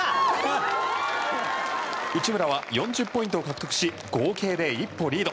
内村は４０ポイントを獲得し合計で一歩リード。